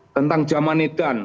tentang zaman idan